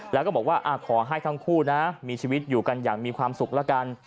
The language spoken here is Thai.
แล้วก็บอกว่าขอให้ทั้งคู่นะมีชีวิตอยู่กันอย่างมีความสุขละกัน